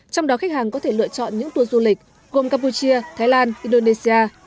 trong đó khách hàng có thể lựa chọn những tour du lịch gồm campuchia thái lan indonesia